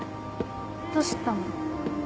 どうしたの？